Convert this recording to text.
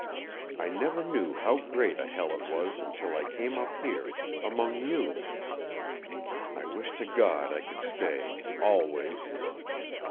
I never knew how great a hell it was until I came up here among YOU. I wish to God I could stay always!"